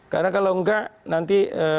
karena kalau nggak nanti